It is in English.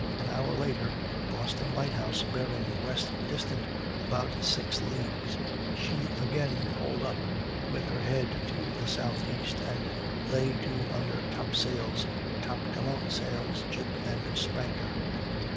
An hour later, Boston Light house bearing west distant about six leagues, she again hauled up, with her head to the southeast and lay to under top sails, top gallant sails, jib, and spanker.